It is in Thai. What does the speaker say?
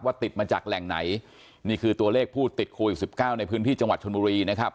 ติดมาจากแหล่งไหนนี่คือตัวเลขผู้ติดโควิดสิบเก้าในพื้นที่จังหวัดชนบุรีนะครับ